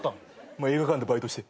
映画館でバイトして。